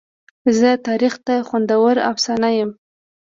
زه تاریخ ته خوندوره افسانه یمه.